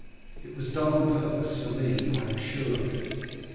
It was done on purpose for me—I am sure of it."